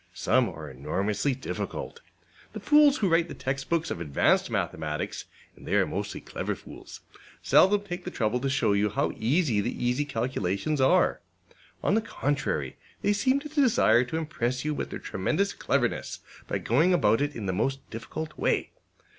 Some are enormously difficult. The fools who write the textbooks of advanced mathematics and they are mostly clever fools seldom take the trouble to show you how easy the easy calculations are. On the contrary, they seem to desire to impress you with their tremendous cleverness by going about it in the most difficult way.